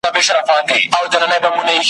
زمري وخوړم کولمې یووړې ګیدړي `